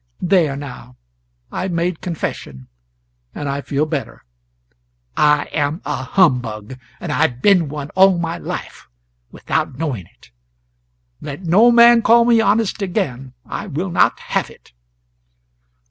There, now, I've made confession, and I feel better; I am a humbug, and I've been one all my life, without knowing it. Let no man call me honest again I will not have it."